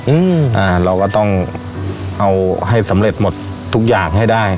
อืมอ่าเราก็ต้องเอาให้สำเร็จหมดทุกอย่างให้ได้